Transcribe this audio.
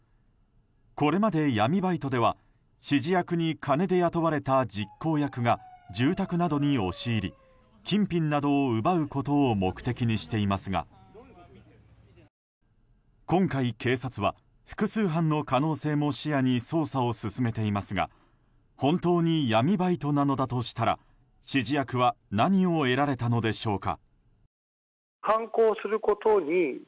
これまで闇バイトでは指示役に金で雇われた実行役が住宅などに押し入り金品などを奪うことを目的にしていますが今回、警察は複数犯の可能性も視野に捜査を進めていますが本当に闇バイトなのだとしたら指示役は何を得られたのでしょうか。